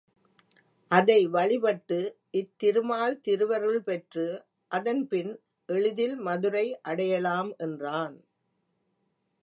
அதை வழிபட்டு இத்திருமால் திருஅருள் பெற்று அதன் பின் எளிதில் மதுரை அடையலாம் என்றான்.